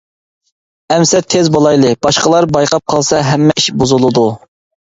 ئەمىسە تېز بولايلى، باشقىلار بايقاپ قالسا ھەممە ئىش بۇزۇلىدۇ.